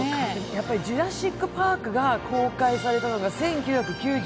やっぱり「ジュラシック・パーク」が公開されたのが１９９３年。